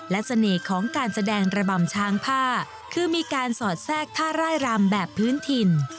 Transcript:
และเสน่ห์ของการแสดงระบำช้างผ้าคือมีการสอดแทรกท่าร่ายรำแบบพื้นถิ่น